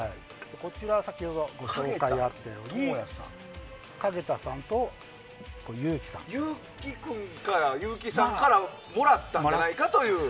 こちらは先ほどご紹介があったようにゆうき君かゆうきさんからもらったんじゃないかという。